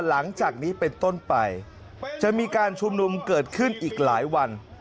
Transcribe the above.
หลังจากนี้เป็นต้นไปจะมีการชุมนุมเกิดขึ้นอีกหลายวัน